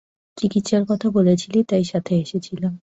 চিকিৎসার কথা বলেছিলি তাই সাথে এসেছিলাম।